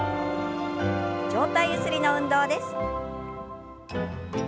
上体ゆすりの運動です。